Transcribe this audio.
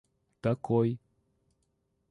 такой